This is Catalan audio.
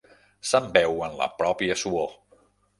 S'embeu en la pròpia suor.